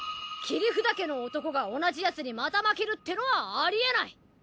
切札家の男が同じヤツにまた負けるってのはありえない。